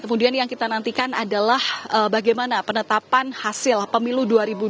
kemudian yang kita nantikan adalah bagaimana penetapan hasil pemilu dua ribu dua puluh